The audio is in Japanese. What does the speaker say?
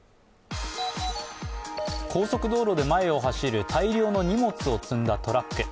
高速道路で前を走る大量の荷物を積んだトラック。